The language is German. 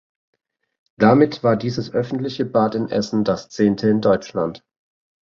Damit war dieses öffentliche Bad in Essen das zehnte in Deutschland.